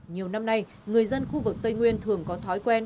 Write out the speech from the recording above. nhiều năm nay người dân khu vực tây nguyên thường có thói quen